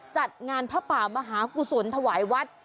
จัดงานพระป่ามหากุศลถวายวัด